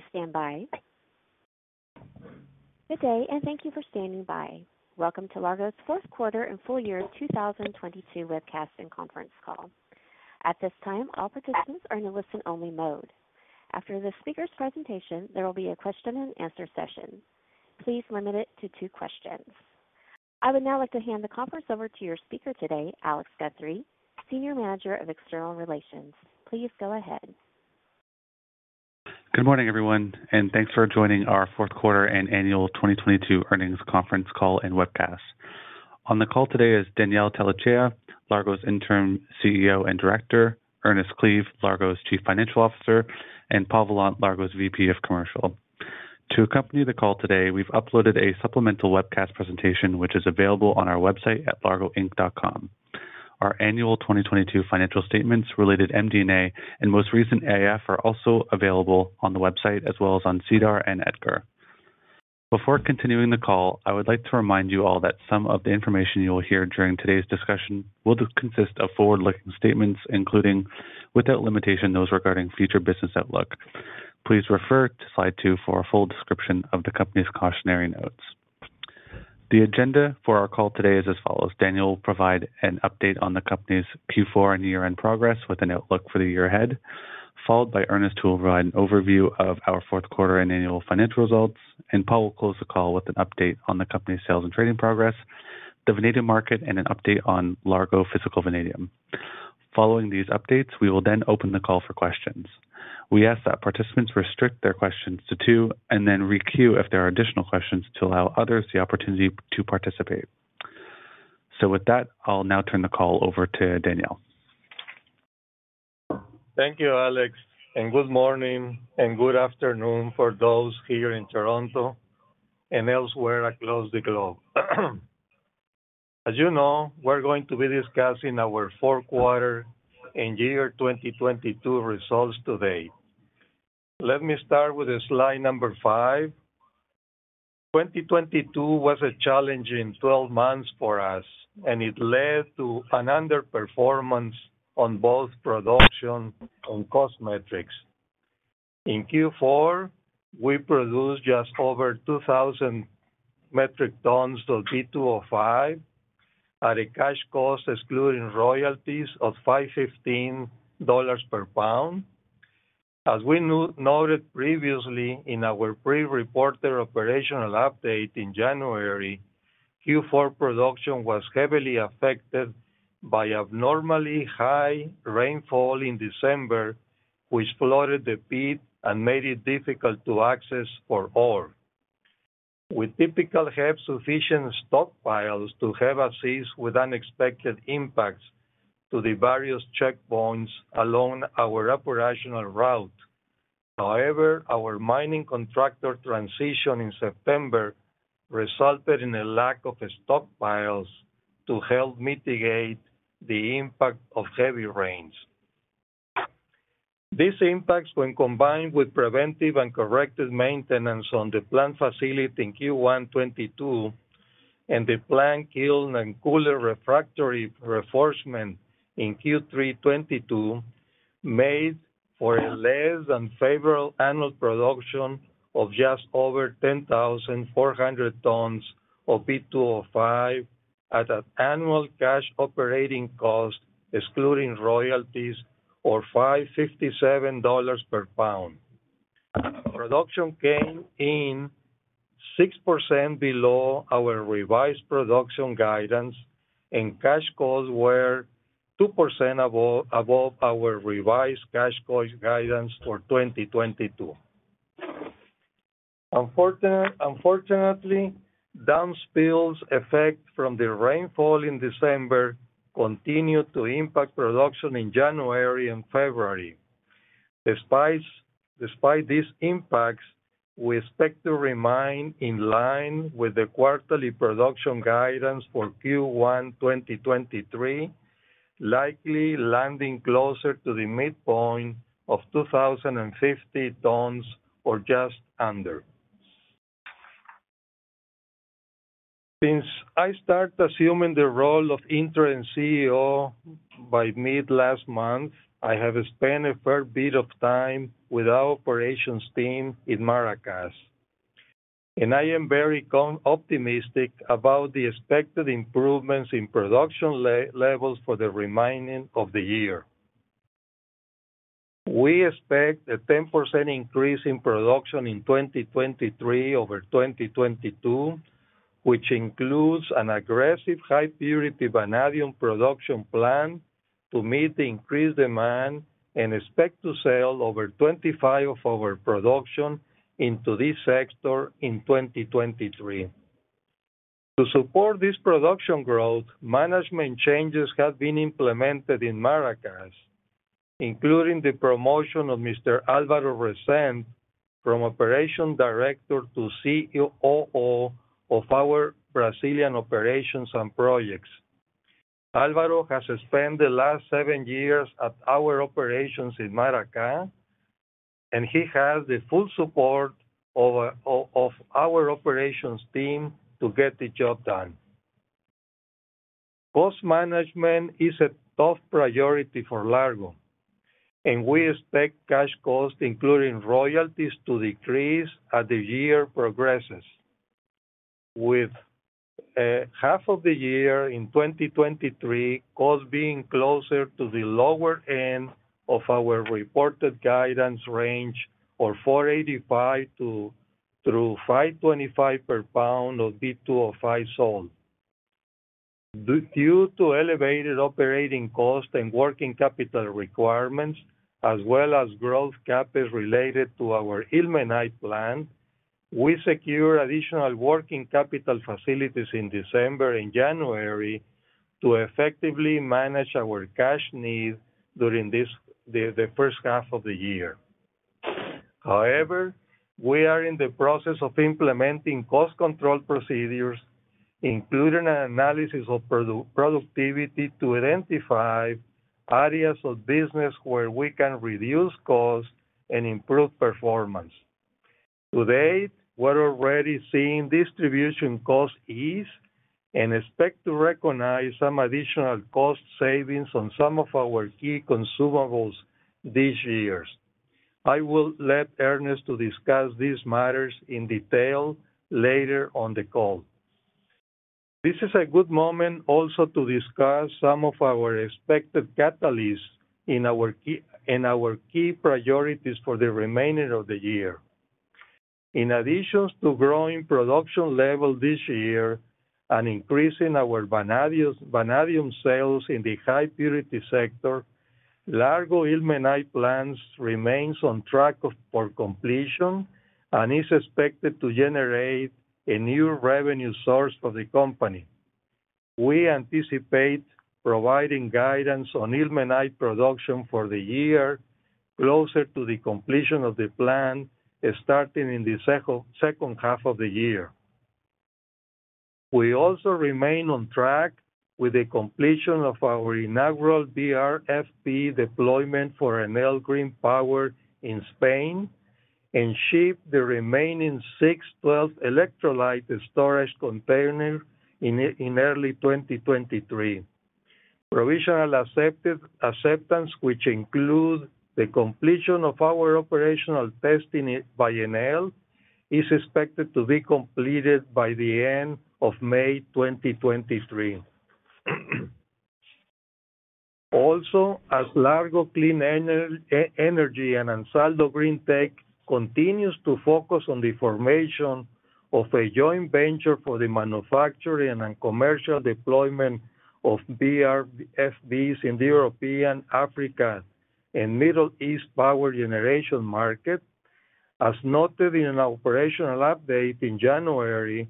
Please stand by. Good day, and thank you for standing by. Welcome to Largo's fourth quarter and full year 2022 webcast and conference call. At this time, all participants are in a listen-only mode. After the speaker's presentation, there will be a question-and-answer session. Please limit it to two questions. I would now like to hand the conference over to your speaker today, Alex Guthrie, Senior Manager of External Relations. Please go ahead. Good morning, everyone, and thanks for joining our fourth quarter and annual 2022 earnings conference call and webcast. On the call today is Daniel Tellechea, Largo's Interim CEO and Director, Ernest Cleave, Largo's Chief Financial Officer, and Paul Vollant, Largo's VP of Commercial. To accompany the call today, we've uploaded a supplemental webcast presentation, which is available on our website at largoinc.com. Our annual 2022 financial statements related MD&A and most recent AIF are also available on the website as well as on SEDAR and EDGAR. Before continuing the call, I would like to remind you all that some of the information you will hear during today's discussion will consist of forward-looking statements, including, without limitation, those regarding future business outlook. Please refer to slide two for a full description of the company's cautionary notes. The agenda for our call today is as follows: Daniel will provide an update on the company's Q4 and year-end progress with an outlook for the year ahead, followed by Ernest, who will provide an overview of our fourth quarter and annual financial results, and Paul will close the call with an update on the company's sales and trading progress, the vanadium market, and an update on Largo Physical Vanadium. Following these updates, we will then open the call for questions. We ask that participants restrict their questions to two and then re-queue if there are additional questions to allow others the opportunity to participate. With that, I'll now turn the call over to Daniel. Thank you, Alex, good morning and good afternoon for those here in Toronto and elsewhere across the globe. As you know, we're going to be discussing our fourth quarter and year 2022 results today. Let me start with slide number five. 2022 was a challenging 12 months for us, it led to an underperformance on both production and cost metrics. In Q4, we produced just over 2,000 metric tons of V2O5 at a cash cost excluding royalties of $5.15 per pound. As we noted previously in our pre-reporter operational update in January, Q4 production was heavily affected by abnormally high rainfall in December, which flooded the pit and made it difficult to access for ore. We typically have sufficient stockpiles to have assist with unexpected impacts to the various checkpoints along our operational route. Our mining contractor transition in September resulted in a lack of stockpiles to help mitigate the impact of heavy rains. These impacts, when combined with preventive and corrective maintenance on the plant facility in Q1 2022 and the plant kiln and cooler refractory enforcement in Q3 2022, made for a less than favorable annual production of just over 10,400 tons of V2O5 at an annual cash operating cost excluding royalties of $5.57 per pound. Production came in 6% below our revised production guidance and cash costs were 2% above our revised cash cost guidance for 2022. Unfortunately, downspills effect from the rainfall in December continued to impact production in January and February. Despite these impacts, we expect to remain in line with the quarterly production guidance for Q1 2023, likely landing closer to the midpoint of 2,050 tons or just under. Since I start assuming the role of Interim CEO by mid last month, I have spent a fair bit of time with our operations team in Maracás, and I am very optimistic about the expected improvements in production levels for the remaining of the year. We expect a 10% increase in production in 2023 over 2022, which includes an aggressive high-purity vanadium production plan to meet the increased demand and expect to sell over 25% of our production into this sector in 2023. To support this production growth, management changes have been implemented in Maracás, including the promotion of Mr. Alvaro Resende from Operation Director to COO of our Brazilian operations and projects. Alvaro has spent the last seven years at our operations in Maracás, and he has the full support of our operations team to get the job done. Cost management is a top priority for Largo, and we expect cash costs, including royalties, to decrease as the year progresses. With half of the year in 2023, cost being closer to the lower end of our reported guidance range of $4.85-$5.25 per pound of V2O5 sold. Due to elevated operating costs and working capital requirements as well as growth capital related to our ilmenite plant, we secured additional working capital facilities in December and January to effectively manage our cash needs during the first half of the year. We are in the process of implementing cost control procedures, including an analysis of productivity to identify areas of business where we can reduce costs and improve performance. To date, we're already seeing distribution costs ease and expect to recognize some additional cost savings on some of our key consumables this year. I will let Ernest discuss these matters in detail later on the call. This is a good moment also to discuss some of our expected catalysts in our key priorities for the remainder of the year. In addition to growing production level this year and increasing our vanadium sales in the high purity sector, Largo ilmenite plant remains on track for completion and is expected to generate a new revenue source for the company. We anticipate providing guidance on ilmenite production for the year closer to the completion of the plant, starting in the second half of the year. We also remain on track with the completion of our inaugural VRFB deployment for Enel Green Power in Spain and ship the remaining 612 electrolyte storage container in early 2023. Provisional acceptance, which include the completion of our operational testing by Enel, is expected to be completed by the end of May 2023. As Largo Clean Energy and Ansaldo GreenTech continues to focus on the formation of a joint venture for the manufacturing and commercial deployment of VRFBs in the European, Africa, and Middle East power generation market. As noted in an operational update in January,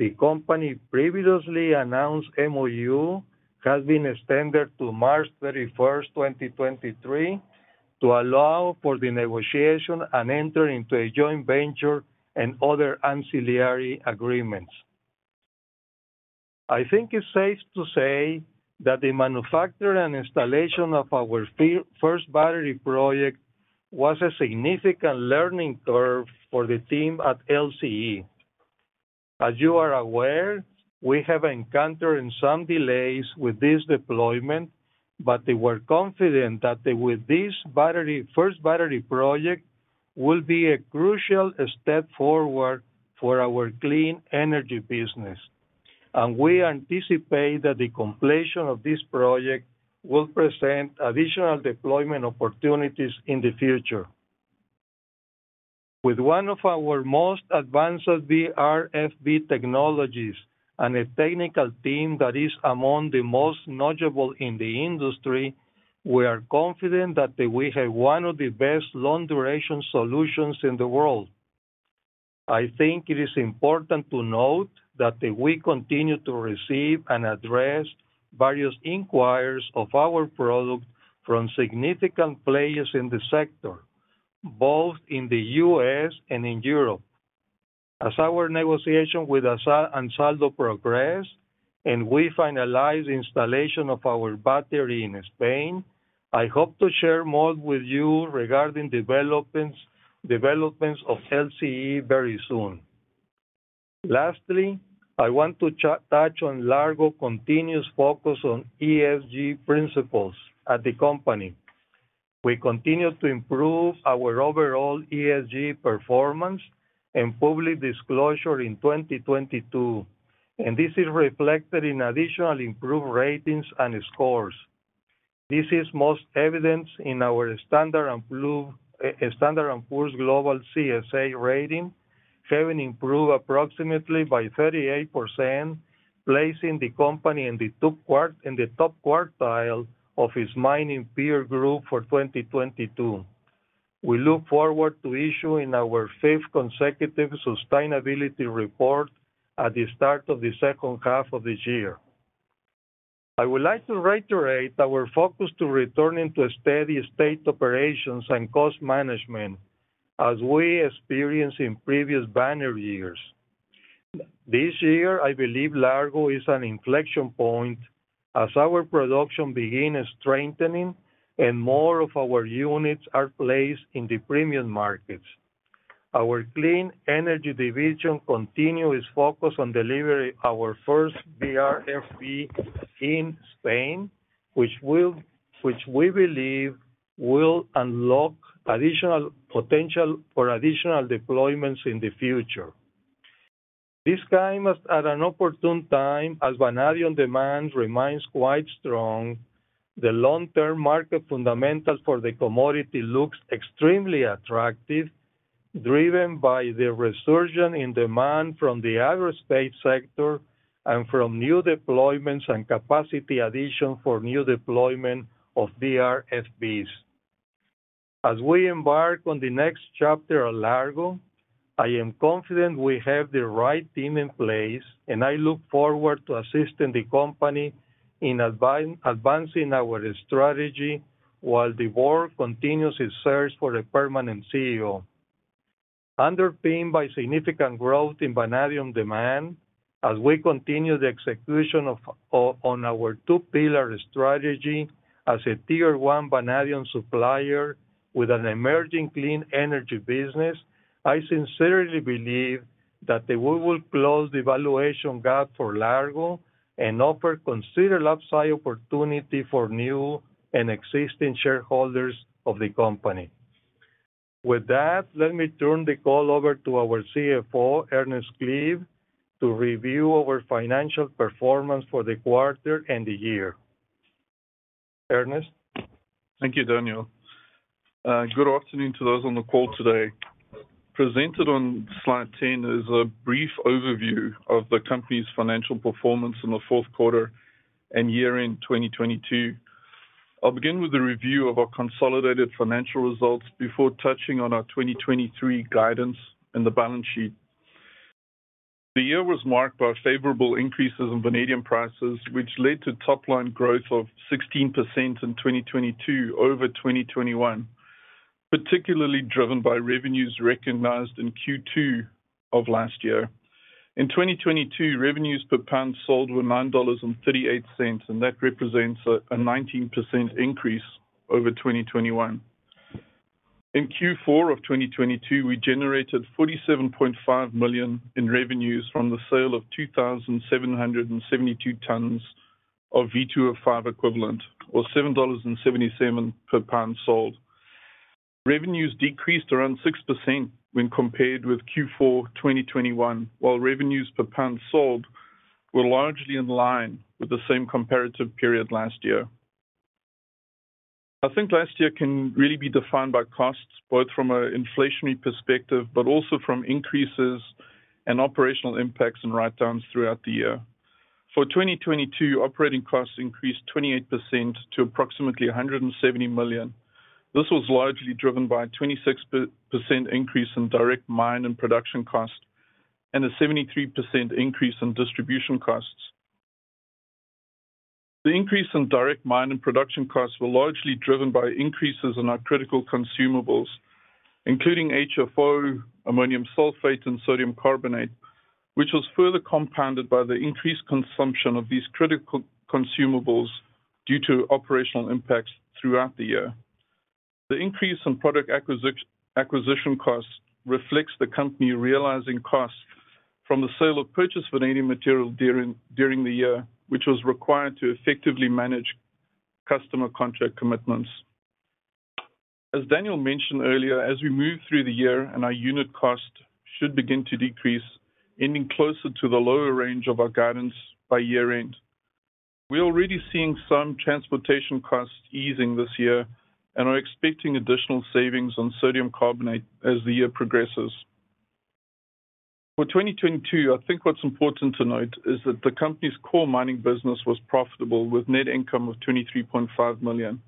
the company previously announced MoU has been extended to March 31st, 2023, to allow for the negotiation and enter into a joint venture and other ancillary agreements. I think it's safe to say that the manufacture and installation of our first battery project was a significant learning curve for the team at LCE. As you are aware, we have encountered some delays with this deployment, but we're confident that with this battery, first battery project will be a crucial step forward for our clean energy business. We anticipate that the completion of this project will present additional deployment opportunities in the future. With one of our most advanced VRFB technologies and a technical team that is among the most knowledgeable in the industry, we are confident that we have one of the best long-duration solutions in the world. I think it is important to note that we continue to receive and address various inquiries of our product from significant players in the sector, both in the U.S. and in Europe. As our negotiation with Ansaldo progress and we finalize the installation of our battery in Spain, I hope to share more with you regarding developments of LCE very soon. Lastly, I want to touch on Largo continuous focus on ESG principles at the company. We continue to improve our overall ESG performance and public disclosure in 2022, this is reflected in additional improved ratings and scores. This is most evident in our Standard & Poor's Global CSA rating having improved approximately by 38%, placing the company in the top quartile of its mining peer group for 2022. We look forward to issuing our fifth consecutive sustainability report at the start of the second half of this year. I would like to reiterate our focus to returning to steady state operations and cost management as we experienced in previous banner years. This year, I believe Largo is an inflection point as our production begin strengthening and more of our units are placed in the premium markets. Our Clean Energy Division continue its focus on delivering our first VRFB in Spain, which we believe will unlock additional potential for additional deployments in the future. This came as at an opportune time as vanadium demand remains quite strong. The long-term market fundamentals for the commodity looks extremely attractive, driven by the resurgence in demand from the aerospace sector and from new deployments and capacity addition for new deployment of VRFBs. As we embark on the next chapter at Largo, I am confident we have the right team in place, and I look forward to assisting the company in advancing our strategy while the board continues its search for a permanent CEO. Underpinned by significant growth in vanadium demand, as we continue the execution on our two-pillar strategy as a tier-one vanadium supplier with an emerging clean energy business, I sincerely believe that we will close the valuation gap for Largo and offer considerable upside opportunity for new and existing shareholders of the company. With that, let me turn the call over to our CFO, Ernest Cleave, to review our financial performance for the quarter and the year. Ernest? Thank you, Daniel. Good afternoon to those on the call today. Presented on Slide 10 is a brief overview of the company's financial performance in the fourth quarter and year-end 2022. I'll begin with a review of our consolidated financial results before touching on our 2023 guidance and the balance sheet. The year was marked by favorable increases in vanadium prices, which led to top-line growth of 16% in 2022 over 2021, particularly driven by revenues recognized in Q2 of last year. In 2022, revenues per pound sold were $9.38, and that represents a 19% increase over 2021. In Q4 of 2022, we generated $47.5 million in revenues from the sale of 2,772 tons of V2O5 equivalent, or $7.77 per pound sold. Revenues decreased around 6% when compared with Q4 2021, while revenues per pound sold were largely in line with the same comparative period last year. I think last year can really be defined by costs, both from an inflationary perspective, but also from increases in operational impacts and writedowns throughout the year. For 2022, operating costs increased 28% to approximately $170 million. This was largely driven by a 26% increase in direct mine and production costs and a 73% increase in distribution costs. The increase in direct mine and production costs were largely driven by increases in our critical consumables, including HFO, ammonium sulfate, and sodium carbonate, which was further compounded by the increased consumption of these critical consumables due to operational impacts throughout the year. The increase in product acquisition costs reflects the company realizing costs from the sale of purchased vanadium material during the year, which was required to effectively manage customer contract commitments. As Daniel mentioned earlier, as we move through the year our unit cost should begin to decrease, ending closer to the lower range of our guidance by year-end. We're already seeing some transportation costs easing this year and are expecting additional savings on sodium carbonate as the year progresses. 2022, I think what's important to note is that the company's core mining business was profitable, with net income of $23.5 million.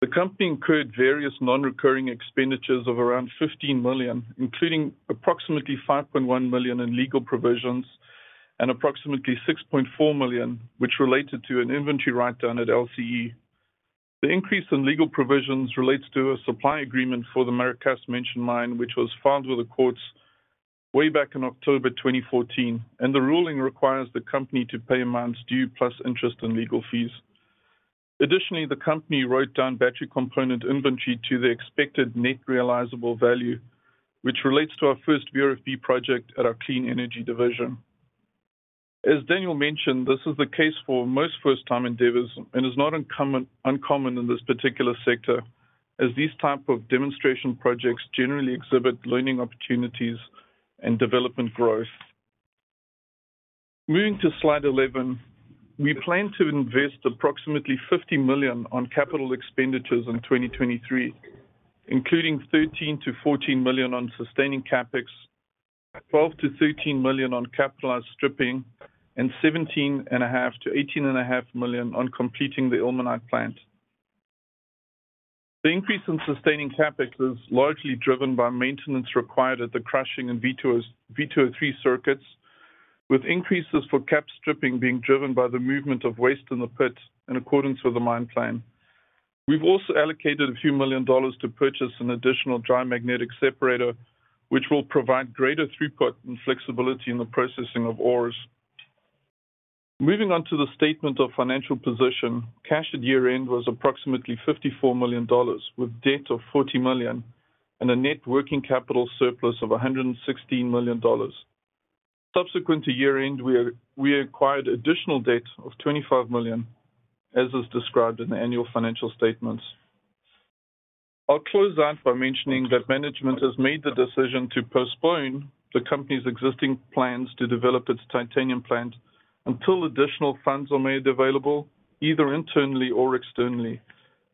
The company incurred various non-recurring expenditures of around $15 million, including approximately $5.1 million in legal provisions and approximately $6.4 million, which related to an inventory writedown at LCE. The increase in legal provisions relates to a supply agreement for the Maracás Menchen Mine, which was filed with the courts way back in October 2014. The ruling requires the company to pay amounts due plus interest and legal fees. Additionally, the company wrote down battery component inventory to the expected net realizable value, which relates to our first VRFB project at our Clean Energy Division. As Daniel mentioned, this is the case for most first-time endeavors and is not uncommon in this particular sector, as these type of demonstration projects generally exhibit learning opportunities and development growth. Moving to slide 11. We plan to invest approximately $50 million on capital expenditures in 2023, including $13 million-$14 million on sustaining CapEx, $12 million-$13 million on capitalized stripping, and $17.5 million-$18.5 million on completing the ilmenite plant. The increase in sustaining CapEx is largely driven by maintenance required at the crushing and V2O3 circuits, with increases for cap stripping being driven by the movement of waste in the pit in accordance with the mine plan. We've also allocated a few million dollars to purchase an additional dry magnetic separator, which will provide greater throughput and flexibility in the processing of ores. Moving on to the statement of financial position, cash at year-end was approximately $54 million, with debt of $40 million and a net working capital surplus of $116 million. Subsequent to year-end, we acquired additional debt of $25 million, as is described in the annual financial statements. I'll close out by mentioning that management has made the decision to postpone the company's existing plans to develop its titanium plant until additional funds are made available, either internally or externally.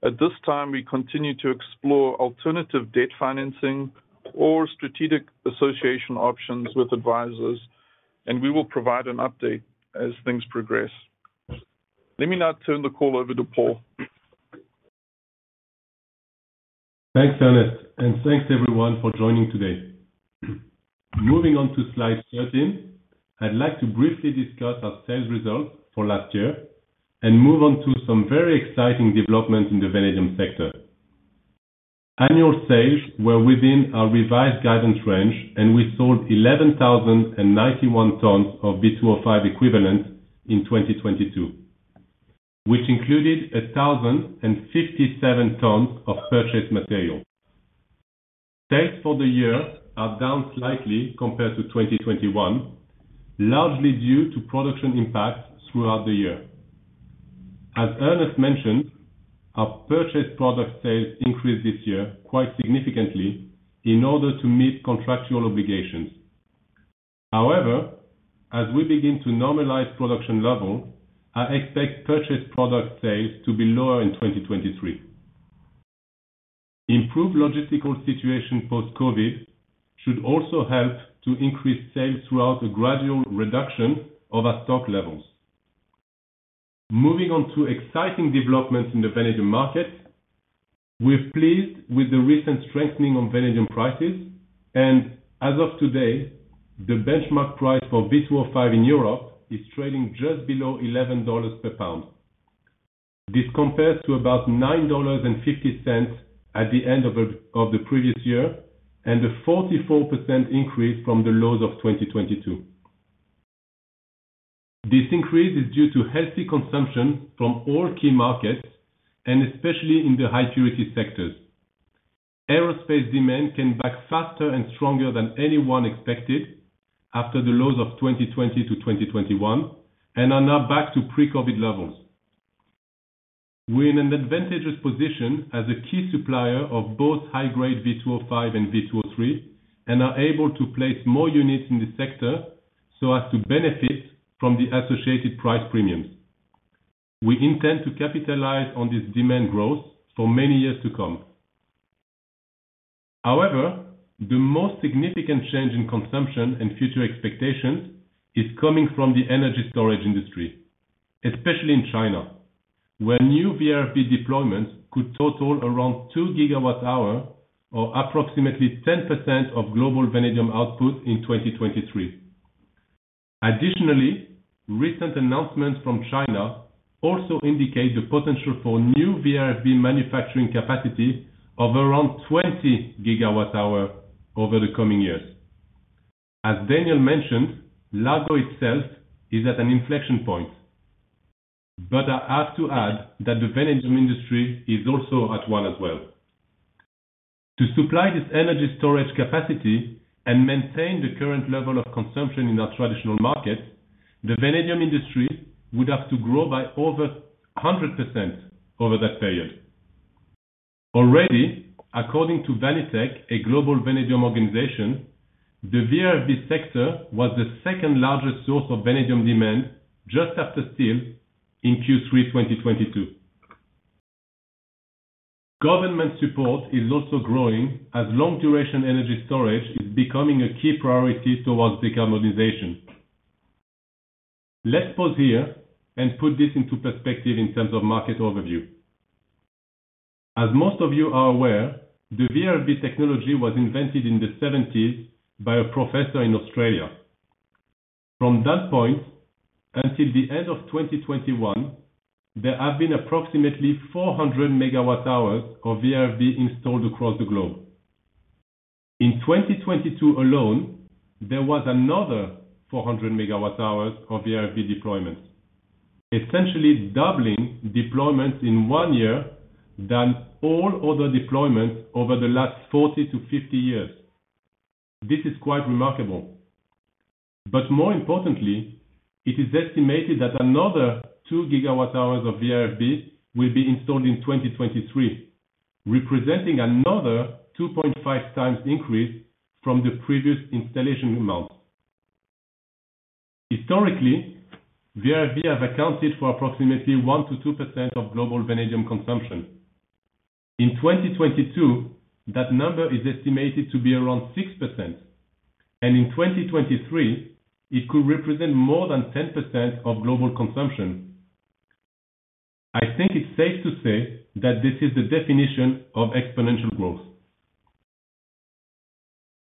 At this time, we continue to explore alternative debt financing or strategic association options with advisors, and we will provide an update as things progress. Let me now turn the call over to Paul. Thanks, Ernest. Thanks everyone for joining today. Moving on to slide 13, I'd like to briefly discuss our sales results for last year and move on to some very exciting developments in the vanadium sector. Annual sales were within our revised guidance range. We sold 11,091 tons of V2O5 equivalent in 2022, which included 1,057 tons of purchased material. Sales for the year are down slightly compared to 2021, largely due to production impacts throughout the year. As Ernest mentioned, our purchased product sales increased this year quite significantly in order to meet contractual obligations. However, as we begin to normalize production levels, I expect purchased product sales to be lower in 2023. Improved logistical situation post-COVID should also help to increase sales throughout a gradual reduction of our stock levels. Moving on to exciting developments in the vanadium market, we're pleased with the recent strengthening of vanadium prices. As of today, the benchmark price for V2O5 in Europe is trading just below $11 per pound. This compares to about $9.50 at the end of the previous year and a 44% increase from the lows of 2022. This increase is due to healthy consumption from all key markets and especially in the high purity sectors. Aerospace demand came back faster and stronger than anyone expected after the lows of 2020 to 2021, and are now back to pre-COVID levels. We're in an advantageous position as a key supplier of both high-grade V2O5 and V2O3 and are able to place more units in this sector so as to benefit from the associated price premiums. We intend to capitalize on this demand growth for many years to come. However, the most significant change in consumption and future expectations is coming from the energy storage industry, especially in China, where new VRFB deployments could total around 2 GWh or approximately 10% of global vanadium output in 2023. Additionally, recent announcements from China also indicate the potential for new VRFB manufacturing capacity of around 20 GWh over the coming years. As Daniel mentioned, Largo itself is at an inflection point, but I have to add that the vanadium industry is also at one as well. To supply this energy storage capacity and maintain the current level of consumption in our traditional markets, the vanadium industry would have to grow by over 100% over that period. Already, according to Vanitec, a global vanadium organization, the VRFB sector was the second-largest source of vanadium demand just after steel in Q3 2022. Government support is also growing as long-duration energy storage is becoming a key priority towards decarbonization. Let's pause here and put this into perspective in terms of market overview. As most of you are aware, the VRFB technology was invented in the 1970s by a professor in Australia. From that point until the end of 2021, there have been approximately 400 MWh of VRFB installed across the globe. In 2022 alone, there was another 400 MWh of VRFB deployment, essentially doubling deployments in one year than all other deployments over the last 40-50 years. This is quite remarkable. More importantly, it is estimated that another 2 GWh of VRFB will be installed in 2023, representing another 2.5x increase from the previous installation amount. Historically, VRFB have accounted for approximately 1%-2% of global vanadium consumption. In 2022, that number is estimated to be around 6%. In 2023, it could represent more than 10% of global consumption. I think it's safe to say that this is the definition of exponential growth.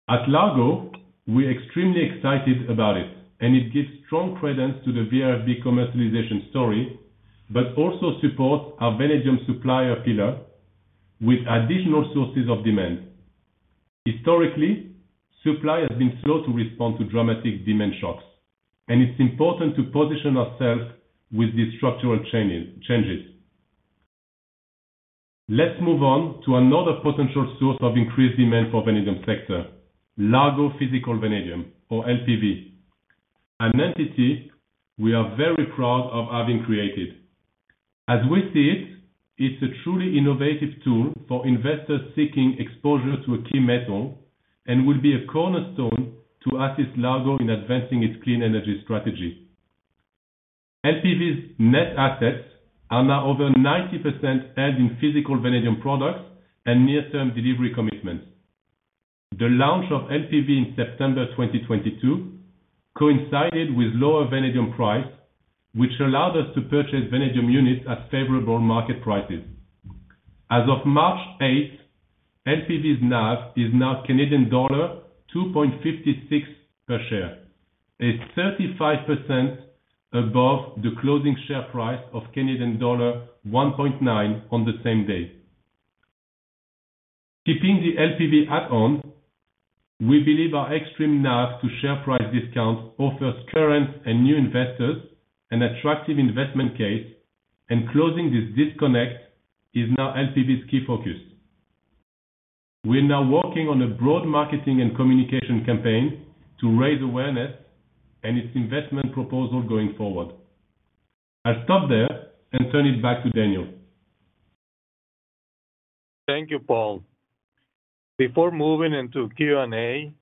At Largo, we're extremely excited about it, and it gives strong credence to the VRFB commercialization story, but also supports our vanadium supplier pillar with additional sources of demand. Historically, supply has been slow to respond to dramatic demand shocks, and it's important to position ourselves with these structural changes. Let's move on to another potential source of increased demand for vanadium sector, Largo Physical Vanadium or LPV. An entity we are very proud of having created. As we see it's a truly innovative tool for investors seeking exposure to a key metal and will be a cornerstone to assist Largo in advancing its clean energy strategy. LPV's net assets are now over 90% held in Physical Vanadium products and near-term delivery commitments. The launch of LPV in September 2022 coincided with lower vanadium price, which allowed us to purchase vanadium units at favorable market prices. As of March 8, LPV's NAV is now Canadian dollar 2.56 per share. It's 35% above the closing share price of Canadian dollar 1.9 on the same day. Keeping the LPV add-on, we believe our extreme NAV to share price discount offers current and new investors an attractive investment case. Closing this disconnect is now LPV's key focus. We're now working on a broad marketing and communication campaign to raise awareness and its investment proposal going forward. I'll stop there and turn it back to Daniel. Thank you, Paul. Before moving into Q&A,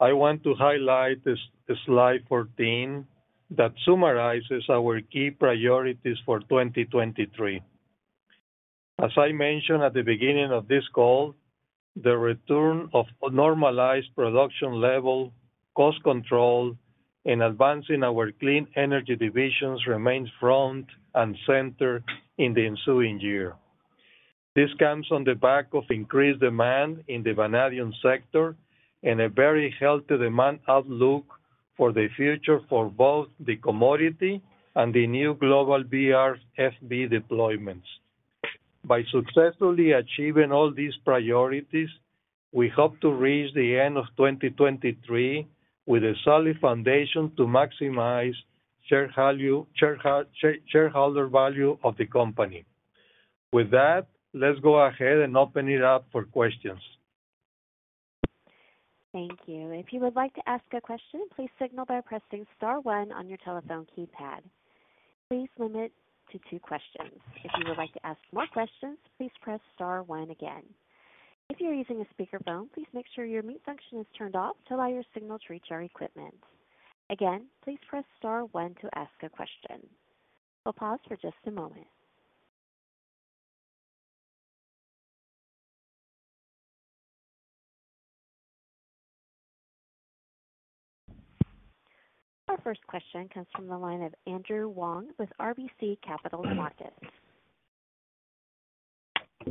I want to highlight this, slide 14 that summarizes our key priorities for 2023. As I mentioned at the beginning of this call, the return of normalized production level, cost control, and Clean Energy Division remains front and center in the ensuing year. This comes on the back of increased demand in the vanadium sector and a very healthy demand outlook for the future for both the commodity and the new global VRFB deployments. By successfully achieving all these priorities, we hope to reach the end of 2023 with a solid foundation to maximize shareholder value of the company. With that, let's go ahead and open it up for questions. Thank you. If you would like to ask a question, please signal by pressing star one on your telephone keypad. Please limit to two questions. If you would like to ask more questions, please press star one again. If you're using a speakerphone, please make sure your mute function is turned off to allow your signal to reach our equipment. Again, please press star one to ask a question. We'll pause for just a moment. Our first question comes from the line of Andrew Wong with RBC Capital Markets.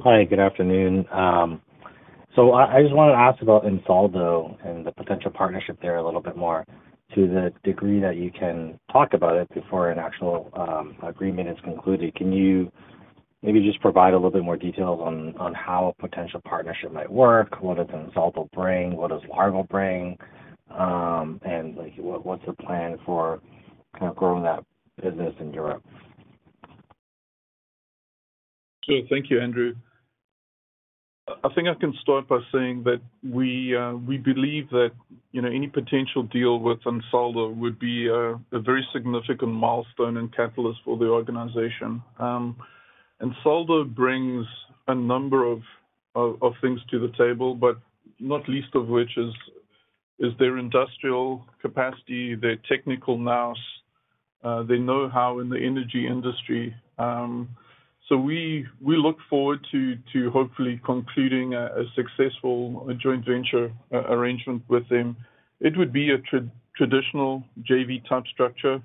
Hi. Good afternoon. I just wanted to ask about Ansaldo and the potential partnership there a little bit more. To the degree that you can talk about it before an actual agreement is concluded, can you maybe just provide a little bit more details on how a potential partnership might work? What does Ansaldo bring? What does Largo bring? Like, what's the plan for kind of growing that business in Europe? Sure. Thank you, Andrew. I think I can start by saying that we believe that, you know, any potential deal with Ansaldo would be a very significant milestone and catalyst for the organization. Ansaldo brings a number of things to the table, but not least of which is their industrial capacity, their technical nous, their know-how in the energy industry. We look forward to hopefully concluding a successful joint venture arrangement with them. It would be a traditional JV type structure,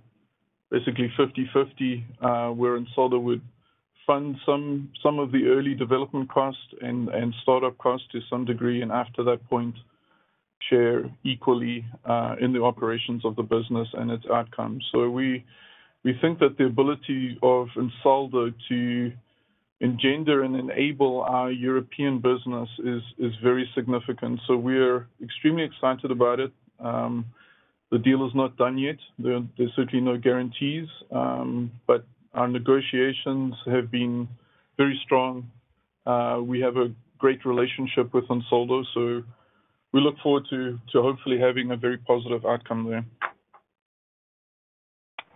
basically 50/50, where Ansaldo would fund some of the early development costs and start-up costs to some degree, and after that point, share equally in the operations of the business and its outcomes. We think that the ability of Ansaldo to engender and enable our European business is very significant. We're extremely excited about it. The deal is not done yet. There's certainly no guarantees, but our negotiations have been very strong. We have a great relationship with Ansaldo, we look forward to hopefully having a very positive outcome there.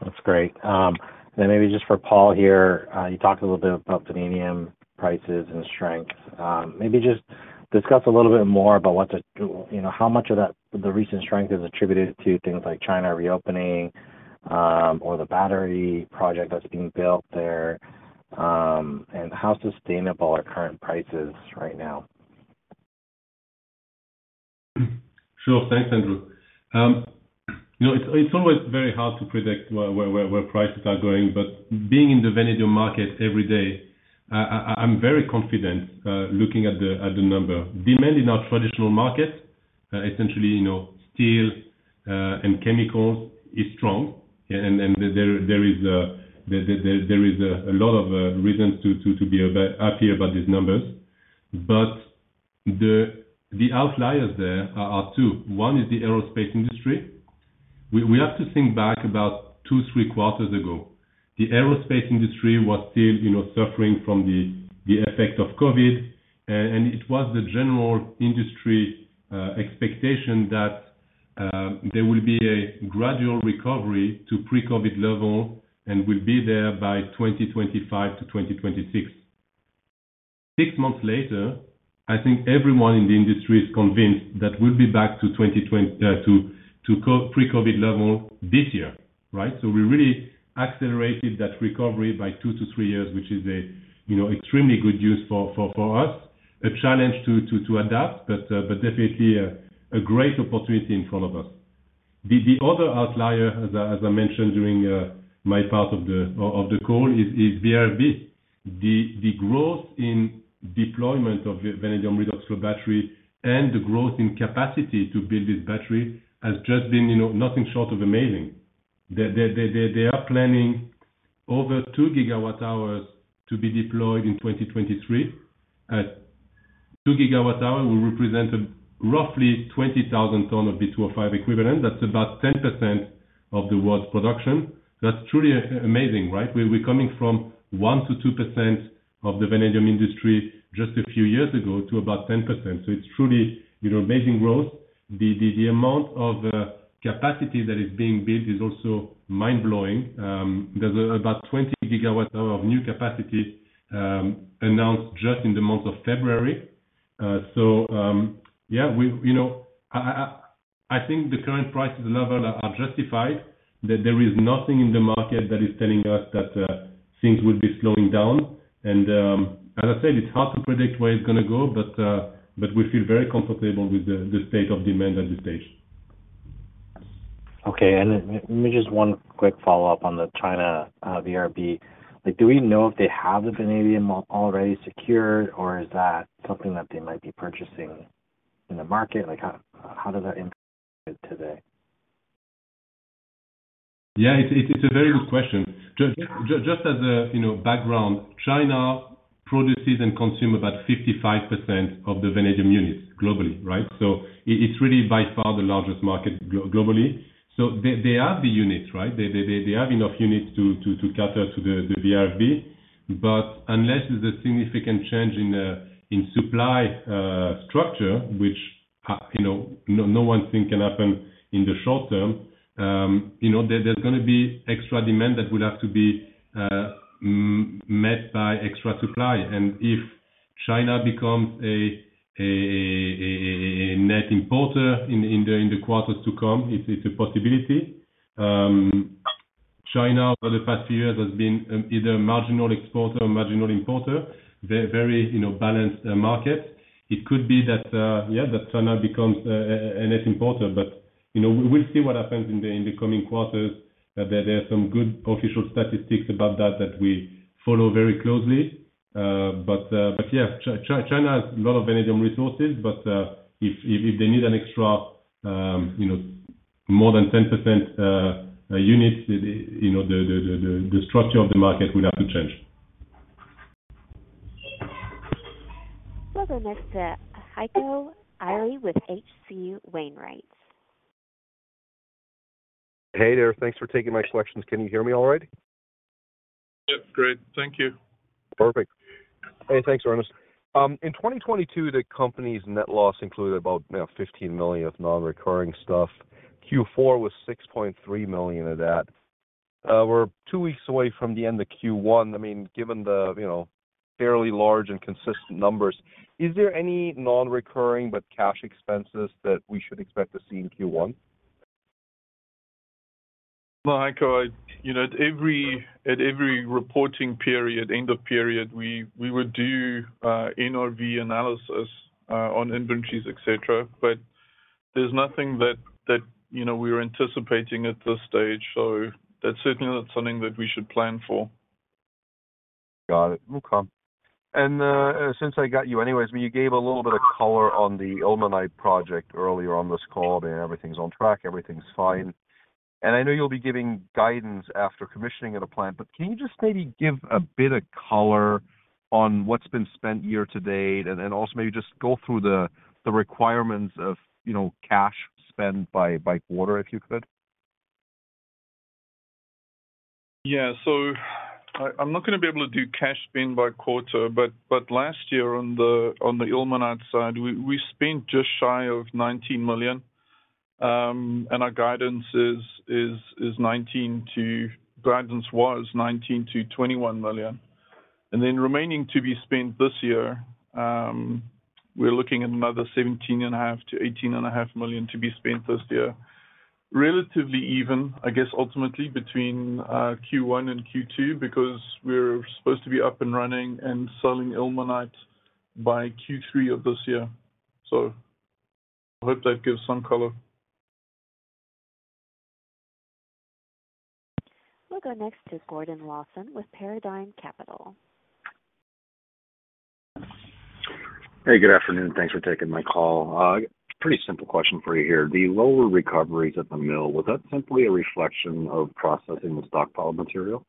That's great. Maybe just for Paul here, you talked a little bit about vanadium prices and strengths. Maybe just discuss a little bit more about what, you know, the recent strength is attributed to things like China reopening, or the battery project that's being built there, and how sustainable are current prices right now? Sure. Thanks, Andrew. you know, it's always very hard to predict where prices are going, but being in the vanadium market every day, I'm very confident looking at the number. Demand in our traditional markets, essentially, you know, steel and chemicals is strong. there is a lot of reasons to be happy about these numbers. the outliers there are two. One is the aerospace industry. We have to think back about two, three quarters ago. The aerospace industry was still, you know, suffering from the effect of COVID. it was the general industry expectation that there will be a gradual recovery to pre-COVID level and will be there by 2025 to 2026. Six months later, I think everyone in the industry is convinced that we'll be back to pre-COVID level this year, right? We really accelerated that recovery by two to three years, which is a, you know, extremely good news for us. A challenge to adapt, but definitely a great opportunity in front of us. The other outlier, as I mentioned during my part of the call is VRFB. The growth in deployment of vanadium redox flow battery and the growth in capacity to build this battery has just been, you know, nothing short of amazing. They are planning over 2 GWh to be deployed in 2023. At 2 GWh will represent roughly 20,000 ton of V2O5 equivalent. That's about 10% of the world's production. That's truly amazing, right? We're coming from 1%-2% of the vanadium industry just a few years ago to about 10%. It's truly, you know, amazing growth. The amount of capacity that is being built is also mind-blowing. There's about 20 GWh of new capacity announced just in the month of February. Yeah, you know, I think the current prices level are justified, that there is nothing in the market that is telling us that things will be slowing down. As I said, it's hard to predict where it's gonna go, but we feel very comfortable with the state of demand at this stage. Okay. Let me just one quick follow-up on the China, VRFB. Like, do we know if they have the vanadium already secured, or is that something that they might be purchasing in the market? Like, how does that impact today? Yeah, it's a very good question. Just as a, you know, background, China produces and consume about 55% of the vanadium units globally, right? It's really by far the largest market globally. They have the units, right? They have enough units to cater to the VRFB. Unless there's a significant change in supply structure, which, you know, no one think can happen in the short term, you know, there's gonna be extra demand that will have to be met by extra supply. If China becomes a net importer in the quarters to come, it's a possibility. China for the past few years has been either a marginal exporter or marginal importer. Very, you know, balanced market. It could be that, yeah, that China becomes a net importer. You know, we'll see what happens in the coming quarters. There are some good official statistics about that we follow very closely. Yeah, China has a lot of vanadium resources, but if they need an extra, you know, more than 10% units, you know, the structure of the market will have to change. We'll go next to Heiko Ihle with H.C. Wainwright. Hey there. Thanks for taking my selections. Can you hear me all right? Yes, great. Thank you. Perfect. Hey, thanks, Ernest. In 2022, the company's net loss included about, you know, $15 million of non-recurring stuff. Q4 was $6.3 million of that. We're two weeks away from the end of Q1. I mean, given the, you know, fairly large and consistent numbers, is there any non-recurring but cash expenses that we should expect to see in Q1? No, Heiko. You know, at every reporting period, end of period, we would do a NRV analysis on inventories, et cetera. There's nothing that, you know, we're anticipating at this stage. That's certainly not something that we should plan for. Got it. Okay. Since I got you anyways, when you gave a little bit of color on the ilmenite project earlier on this call, everything's on track, everything's fine. I know you'll be giving guidance after commissioning of the plant, but can you just maybe give a bit of color on what's been spent year to date? And then also maybe just go through the requirements of, you know, cash spend by quarter, if you could. Yeah. I'm not gonna be able to do cash spend by quarter, but last year on the ilmenite side, we spent just shy of $19 million. Our guidance was $19 million-$21 million. Remaining to be spent this year, we're looking at another $17.5 million-$18.5 million to be spent this year. Relatively even, I guess, ultimately between Q1 and Q2, because we're supposed to be up and running and selling ilmenite by Q3 of this year. I hope that gives some color. We'll go next to Gordon Lawson with Paradigm Capital. Hey, good afternoon. Thanks for taking my call. Pretty simple question for you here. The lower recoveries at the mill, was that simply a reflection of processing the stockpiled material?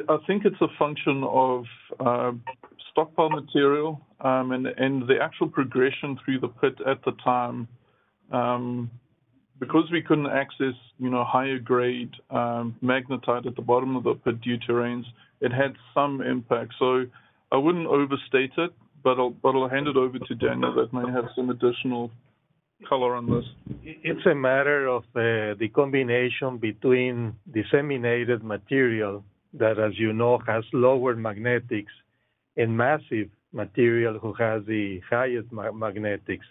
I think it's a function of stockpile material, and the actual progression through the pit at the time. Because we couldn't access, you know, higher grade, magnetite at the bottom of the pit due to rains, it had some impact. I wouldn't overstate it, but I'll hand it over to Daniel that might have some additional color on this. It's a matter of the combination between disseminated material that, as you know, has lower magnetics and massive material who has the highest magnetics.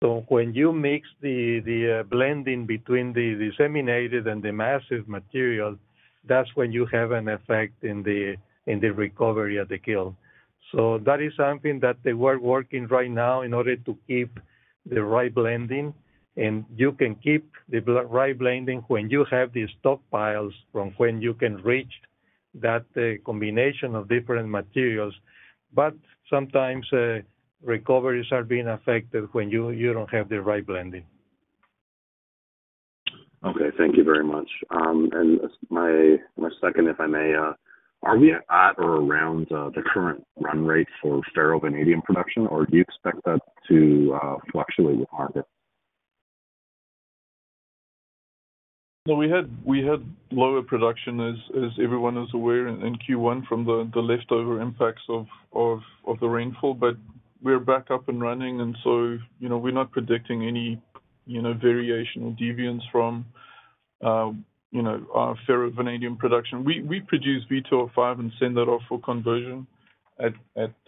When you mix the blending between the disseminated and the massive material, that's when you have an effect in the recovery of the kiln. That is something that they were working right now in order to keep the right blending. You can keep the right blending when you have the stockpiles from when you can reach that combination of different materials. Sometimes, recoveries are being affected when you don't have the right blending. Okay, thank you very much. My second, if I may, are we at or around the current run rate for ferrovanadium production, or do you expect that to fluctuate the market? We had lower production as everyone is aware in Q1 from the leftover impacts of the rainfall. We're back up and running and so, you know, we're not predicting any, you know, variation or deviance from, you know, our ferrovanadium production. We produce V2O5 and send that off for conversion at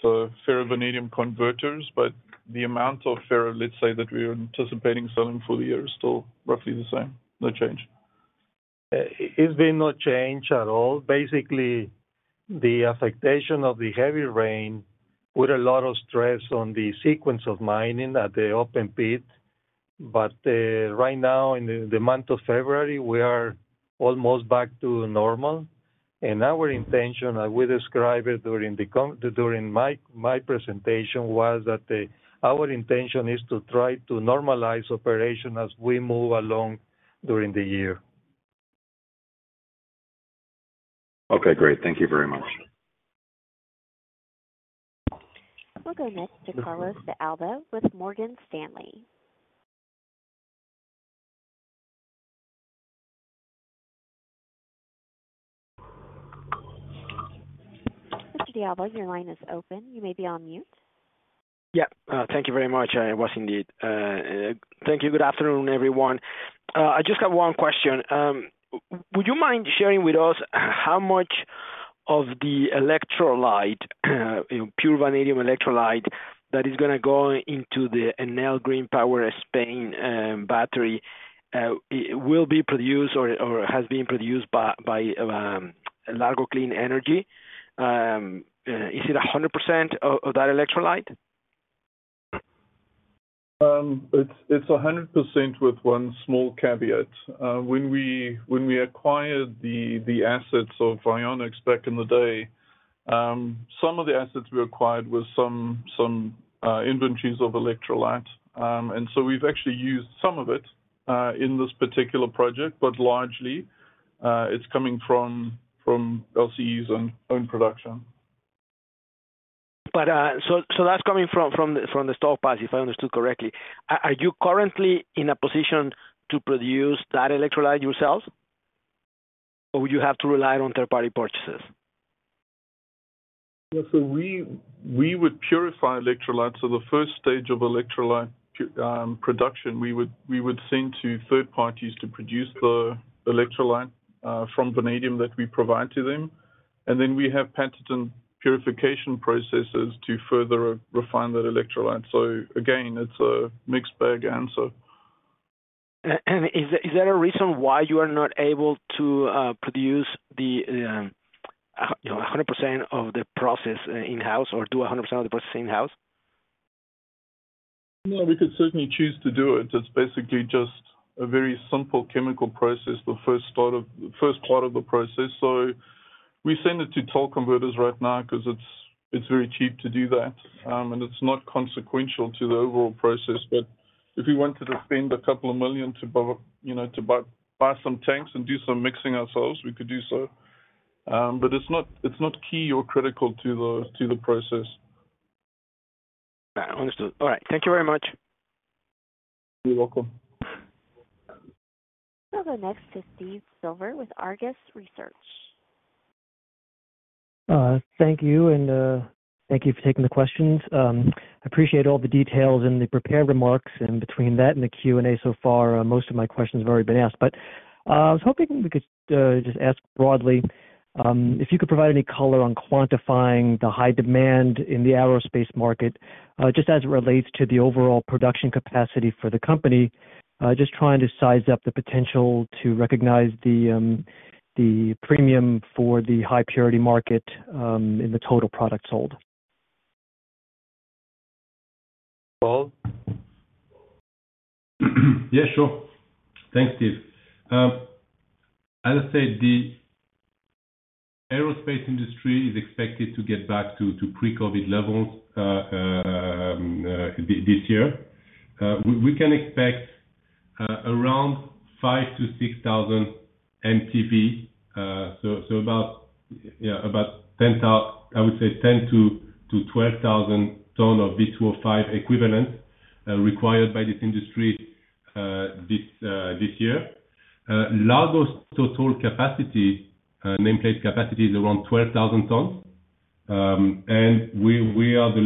ferrovanadium converters. The amount of ferro, let's say that we are anticipating selling for the year is still roughly the same. No change. It's been no change at all. Basically, the affectation of the heavy rain put a lot of stress on the sequence of mining at the open pit. Right now in the month of February, we are almost back to normal. Our intention, as we described it during my presentation, was that our intention is to try to normalize operation as we move along during the year. Okay, great. Thank you very much. We'll go next to Carlos de Alba with Morgan Stanley. Mr. de Alba, your line is open. You may be on mute. Yeah. Thank you very much. I was indeed. Thank you. Good afternoon, everyone. I just have one question. Would you mind sharing with us how much of the electrolyte, you know, pure vanadium electrolyte that is gonna go into the Enel Green Power Spain battery, will be produced or has been produced by Largo Clean Energy? Is it 100% of that electrolyte? It's 100% with one small caveat. When we acquired the assets of VionX back in the day, some of the assets we acquired were some inventories of electrolyte. We've actually used some of it in this particular project, but largely, it's coming from LCE's own production. So that's coming from the stockpile, if I understood correctly. Are you currently in a position to produce that electrolyte yourselves, or would you have to rely on third-party purchases? Yeah. We would purify electrolytes. The first stage of electrolyte production, we would send to third parties to produce the electrolyte from vanadium that we provide to them. We have patented purification processes to further refine that electrolyte. Again, it's a mixed bag answer. Is there a reason why you are not able to produce the, you know, 100% of the process in-house or do 100% of the process in-house? No, we could certainly choose to do it. It's basically just a very simple chemical process, the first part of the process. We send it to toll converters right now 'cause it's very cheap to do that, and it's not consequential to the overall process. If we wanted to spend a couple of million you know, to buy some tanks and do some mixing ourselves, we could do so. It's not key or critical to the process. Understood. All right. Thank you very much. You're welcome. We'll go next to Steve Silver with Argus Research. Thank you, and thank you for taking the questions. I appreciate all the details in the prepared remarks, and between that and the Q&A so far, most of my questions have already been asked. I was hoping we could just ask broadly, if you could provide any color on quantifying the high demand in the aerospace market, just as it relates to the overall production capacity for the company. Just trying to size up the potential to recognize the premium for the high purity market, in the total product sold. Paul? Yeah, sure. Thanks, Steve. As I said, the aerospace industry is expected to get back to pre-COVID levels this year. We can expect around 5,000-6,000 mtpa, so about, yeah, about 10,000-12,000 tons of V2O5 equivalent required by this industry this year. Largo's total capacity, nameplate capacity is around 12,000 tons. We have the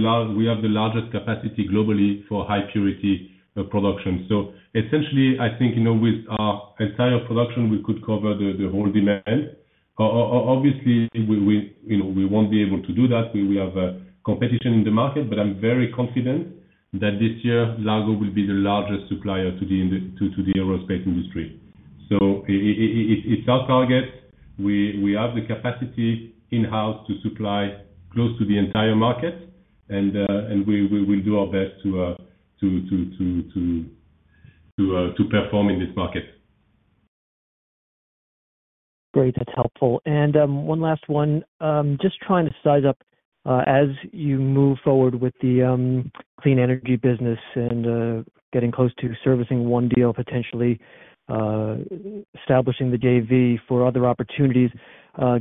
largest capacity globally for high purity production. Essentially I think, you know, with our entire production, we could cover the whole demand. Obviously we, you know, we won't be able to do that. We have competition in the market. I'm very confident that this year Largo will be the largest supplier to the aerospace industry. It's our target. We have the capacity in-house to supply close to the entire market and we will do our best to perform in this market. Great. That's helpful. One last one. Just trying to size up, as you move forward with the Clean Energy business and getting close to servicing one deal, potentially establishing the JV for other opportunities.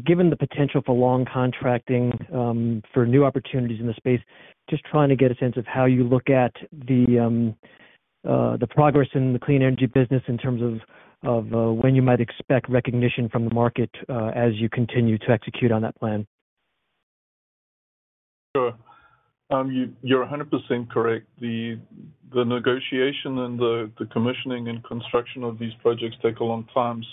Given the potential for long contracting, for new opportunities in the space, just trying to get a sense of how you look at the progress in the Clean Energy business in terms of when you might expect recognition from the market, as you continue to execute on that plan. Sure. You, you're 100% correct. The negotiation and the commissioning and construction of these projects take a long time.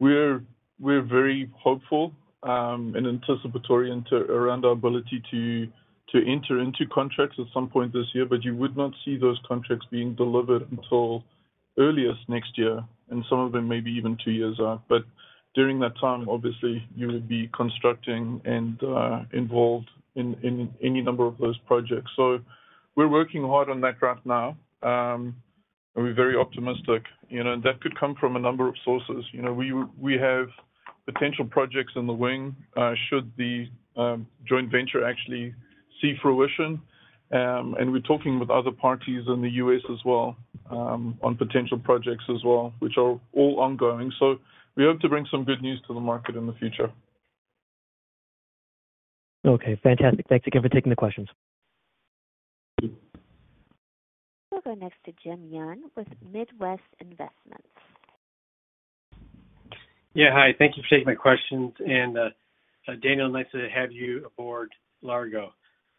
We're very hopeful and anticipatory into, around our ability to enter into contracts at some point this year. You would not see those contracts being delivered until earliest next year, and some of them may be even two years out. During that time, obviously, you would be constructing and involved in any number of those projects. We're working hard on that right now. And we're very optimistic. You know, that could come from a number of sources. You know, we have potential projects in the wing should the joint venture actually see fruition. We're talking with other parties in the U.S. as well, on potential projects as well, which are all ongoing. We hope to bring some good news to the market in the future. Okay, fantastic. Thank you again for taking the questions. Thank you. We'll go next to Jim Young with Midwest Investments. Yeah, hi. Thank you for taking my questions. Daniel, nice to have you aboard Largo.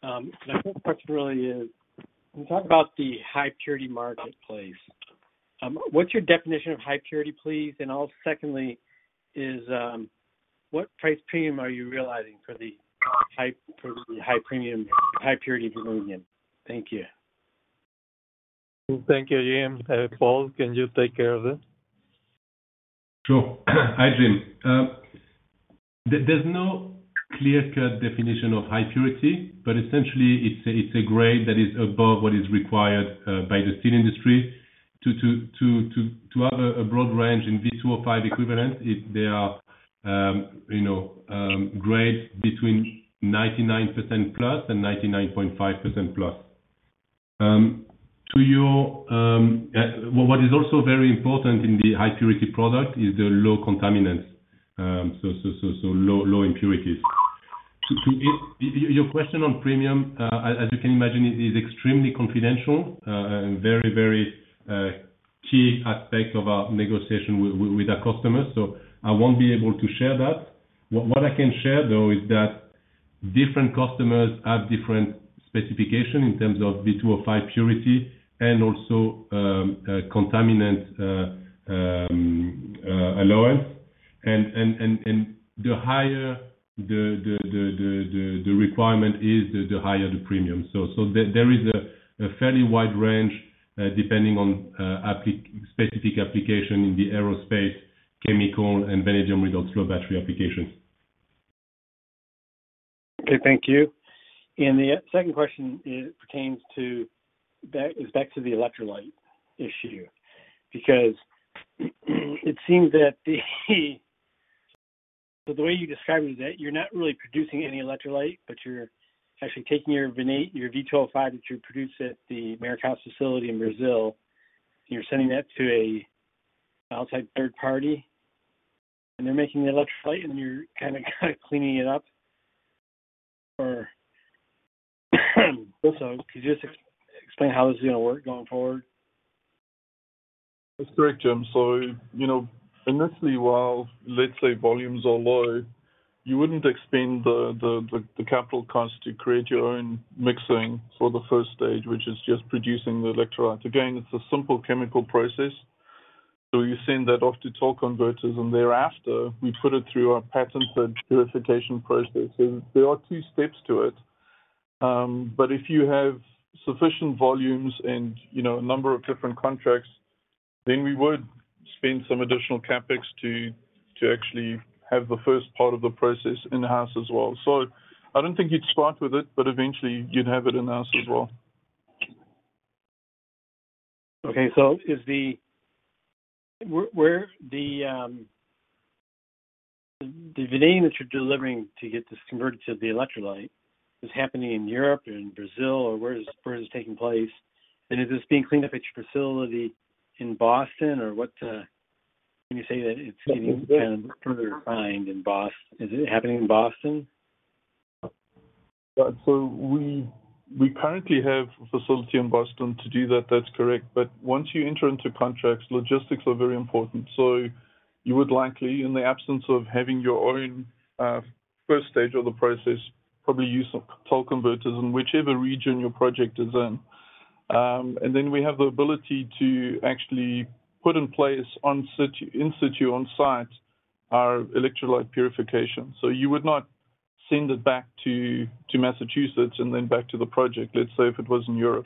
My first question really is, can you talk about the high purity marketplace? What's your definition of high purity, please? Secondly is, what price premium are you realizing for the high premium, high purity vanadium? Thank you. Thank you, Jim. Paul, can you take care of it? Sure. Hi, Jim. There's no clear-cut definition of high purity, but essentially it's a grade that is above what is required by the steel industry to have a broad range in V2O5 equivalent if they are, you know, grades between 99%+ and 99.5%+. To your... Well, what is also very important in the high purity product is the low contaminants, so low impurities. To your question on premium, as you can imagine, is extremely confidential and very, key aspect of our negotiation with our customers, so I won't be able to share that. What I can share, though, is that different customers have different specification in terms of V2O5 purity and also, contaminant allowance. The higher the requirement is, the higher the premium. There is a fairly wide range, depending on specific application in the aerospace, chemical, and vanadium redox flow battery application. Okay, thank you. The second question pertains to, is back to the electrolyte issue. It seems that the way you described it is that you're not really producing any electrolyte, but you're actually taking your V2O5 that you produce at the Maracás facility in Brazil, and you're sending that to an outside third party, and they're making the electrolyte, and you're kind of cleaning it up. Also, could you just explain how this is going to work going forward? That's correct, Jim. You know, initially, while let's say volumes are low, you wouldn't expend the capital cost to create your own mixing for the first stage, which is just producing the electrolyte. Again, it's a simple chemical process. You send that off to tall converters, thereafter we put it through our patented purification process. There are two steps to it. If you have sufficient volumes and, you know, a number of different contracts, then we would spend some additional CapEx to actually have the first part of the process in-house as well. I don't think you'd start with it, eventually you'd have it in-house as well. Okay. Is the vanadium that you're delivering to get this converted to the electrolyte is happening in Europe or in Brazil or where is this taking place? Is this being cleaned up at your facility in Boston or what, can you say that it's getting kind of further refined? Is it happening in Boston? Yeah. We currently have a facility in Boston to do that's correct. Once you enter into contracts, logistics are very important. You would likely, in the absence of having your own, first stage of the process, probably use tall converters in whichever region your project is in. We have the ability to actually put in place in situ on site our electrolyte purification. You would not send it back to Massachusetts and then back to the project, let's say if it was in Europe.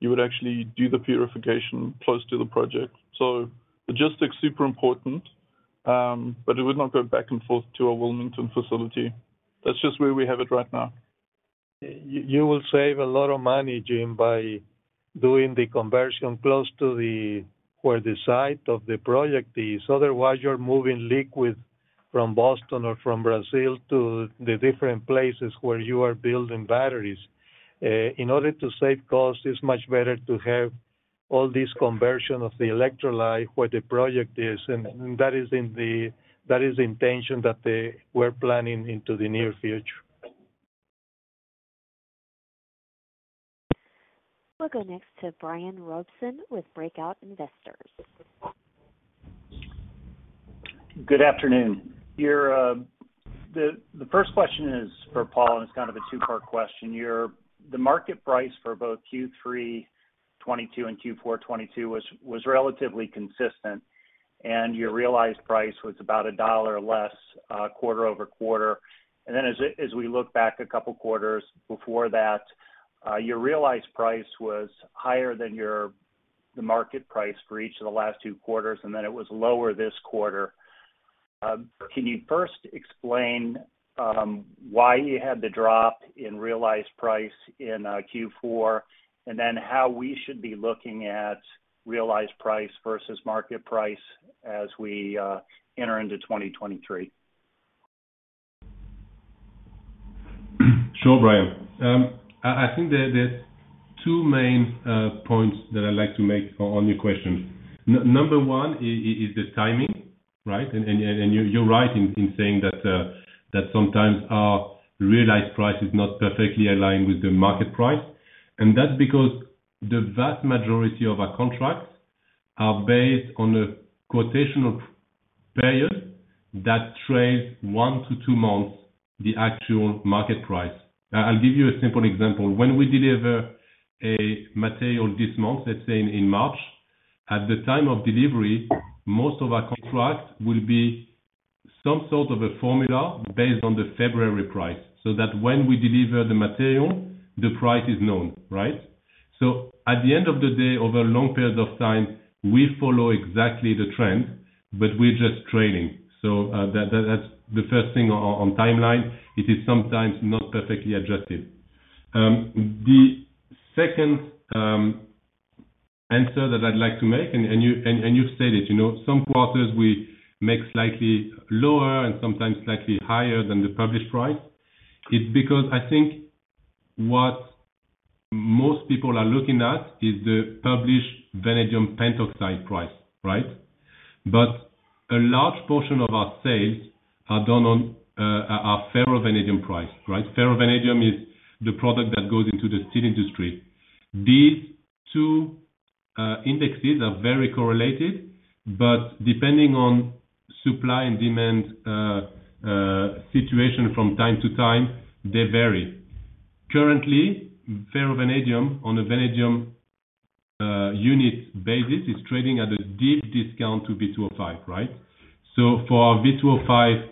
You would actually do the purification close to the project. Logistics super important, but it would not go back and forth to our Wilmington facility. That's just where we have it right now. You will save a lot of money, Jim, by doing the conversion close to where the site of the project is. Otherwise, you're moving liquid from Boston or from Brazil to the different places where you are building batteries. In order to save cost, it's much better to have all this conversion of the electrolyte where the project is. That is the intention that they were planning into the near future. We'll go next to Bryan Robson with Breakout Investors. Good afternoon. The first question is for Paul, and it's kind of a two-part question. The market price for both Q3 2022 and Q4 2022 was relatively consistent, and your realized price was about $1 less quarter-over-quarter. As we look back a couple quarters before that, your realized price was higher than the market price for each of the last two quarters, and then it was lower this quarter. Can you first explain why you had the drop in realized price in Q4, and then how we should be looking at realized price versus market price as we enter into 2023? Sure, Brian. I think there's two main points that I'd like to make on your question. Number one is the timing, right? You're right in saying that sometimes our realized price is not perfectly aligned with the market price. That's because the vast majority of our contracts are based on a quotation of period that trails one to two months the actual market price. I'll give you a simple example. When we deliver a material this month, let's say in March, at the time of delivery, most of our contract will be some sort of a formula based on the February price, so that when we deliver the material, the price is known, right? At the end of the day, over long periods of time, we follow exactly the trend, but we're just trailing. That's the first thing on timeline. It is sometimes not perfectly adjusted. The second answer that I'd like to make, and you said it, you know, some quarters we make slightly lower and sometimes slightly higher than the published price. It's because I think what most people are looking at is the published vanadium pentoxide price, right? A large portion of our sales are done on our ferrovanadium price, right? Ferrovanadium is the product that goes into the steel industry. These two indexes are very correlated, but depending on supply and demand situation from time to time, they vary. Currently, ferrovanadium on a vanadium unit basis is trading at a deep discount to V2O5, right? For our V2O5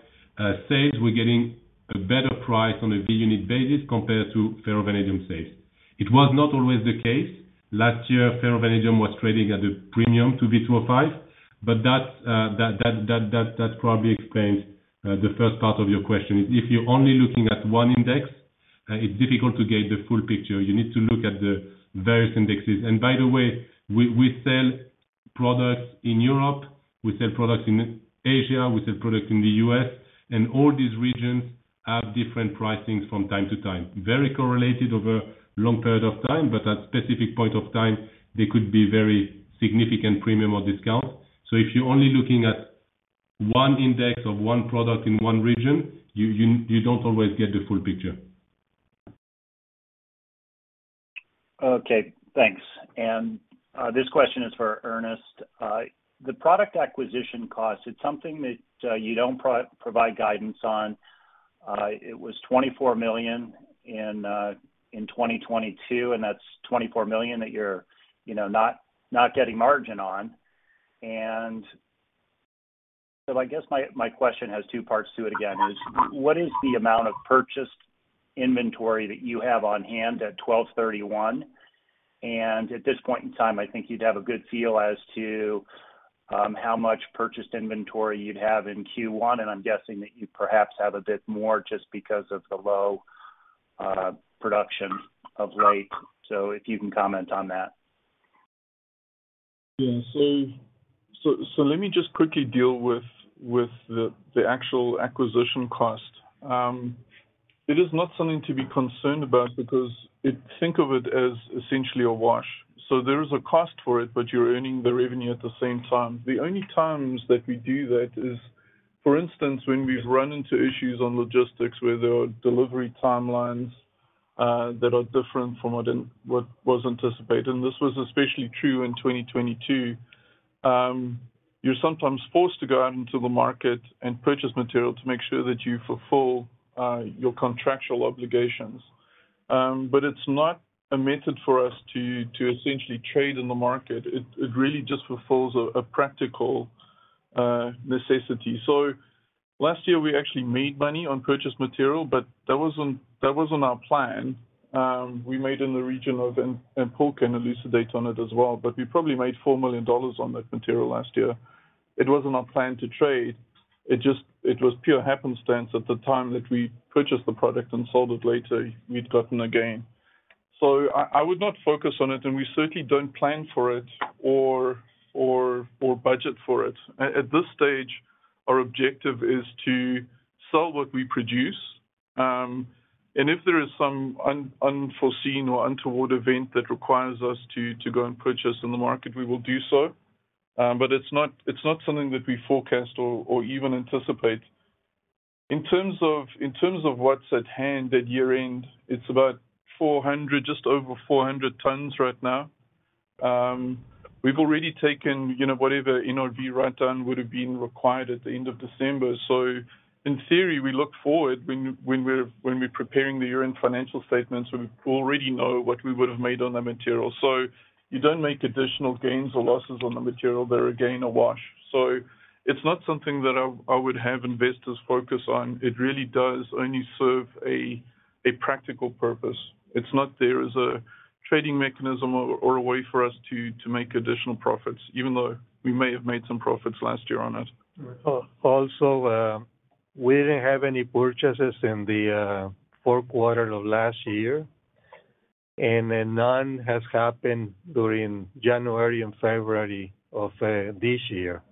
sales, we're getting a better price on a V unit basis compared to ferrovanadium sales. It was not always the case. Last year, ferrovanadium was trading at a premium to V2O5, but that probably explains the first part of your question. If you're only looking at one index, it's difficult to get the full picture. You need to look at the various indexes. By the way, we sell products in Europe, we sell products in Asia, we sell products in the U.S., and all these regions have different pricings from time to time. Very correlated over long period of time, but at specific point of time, there could be very significant premium or discount. If you're only looking at one index of one product in one region, you don't always get the full picture. Okay, thanks. This question is for Ernest. The product acquisition cost, it's something that you don't provide guidance on. It was $24 million in 2022, and that's $24 million that you're, you know, not getting margin on. I guess my question has two parts to it again, is what is the amount of purchased inventory that you have on hand at December 31? At this point in time, I think you'd have a good feel as to how much purchased inventory you'd have in Q1. I'm guessing that you perhaps have a bit more just because of the low production of late. If you can comment on that. Yeah. Let me just quickly deal with the actual acquisition cost. It is not something to be concerned about because think of it as essentially a wash. There is a cost for it, but you're earning the revenue at the same time. The only times that we do that is, for instance, when we've run into issues on logistics where there are delivery timelines that are different from what was anticipated, and this was especially true in 2022. You're sometimes forced to go out into the market and purchase material to make sure that you fulfill your contractual obligations. It's not a method for us to essentially trade in the market. It really just fulfills a practical necessity. Last year we actually made money on purchased material, but that wasn't our plan. We made in the region of, and Paul can elucidate on it as well, but we probably made $4 million on that material last year. It wasn't our plan to trade. It just, it was pure happenstance at the time that we purchased the product and sold it later, we'd gotten a gain. I would not focus on it, and we certainly don't plan for it or budget for it. At this stage, our objective is to sell what we produce. If there is some unforeseen or untoward event that requires us to go and purchase in the market, we will do so. It's not, it's not something that we forecast or even anticipate. In terms of what's at hand at year-end, it's about 400, just over 400 tons right now. We've already taken, you know, whatever NRV write-down would've been required at the end of December. In theory, we look forward when we're preparing the year-end financial statements, we already know what we would've made on the material. You don't make additional gains or losses on the material. They're, again, a wash. It's not something that I would have investors focus on. It really does only serve a practical purpose. It's not there as a trading mechanism or a way for us to make additional profits, even though we may have made some profits last year on it. Also, we didn't have any purchases in the fourth quarter of last year. None has happened during January and February of this year.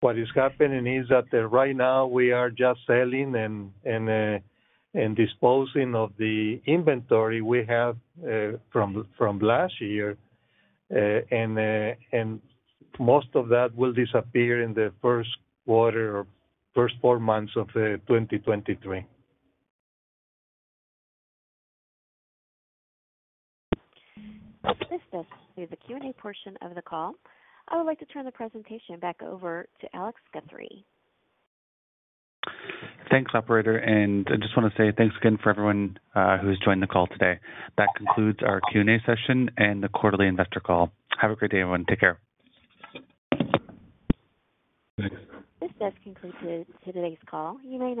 What is happening is that right now we are just selling and disposing of the inventory we have from last year. Most of that will disappear in the first quarter or first four months of 2023. This does the Q&A portion of the call. I would like to turn the presentation back over to Alex Guthrie. Thanks, operator. I just wanna say thanks again for everyone who has joined the call today. That concludes our Q&A session and the quarterly investor call. Have a great day, everyone. Take care. Thanks. This does conclude today's call. You may.